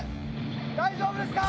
大丈夫ですか？